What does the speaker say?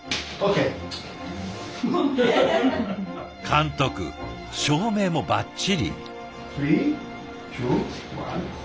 監督照明もバッチリ。